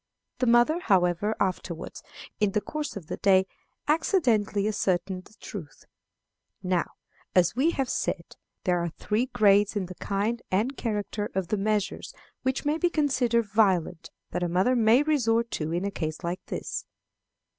The mother, however, afterwards, in the course of the day, accidentally ascertained the truth. Now, as we have said, there are three grades in the kind and character of the measures which may be considered violent that a mother may resort to in a case like this.